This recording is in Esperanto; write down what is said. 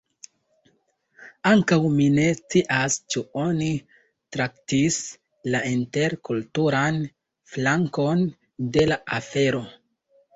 Ankaŭ mi ne scias ĉu oni traktis la interkulturan flankon de la afero.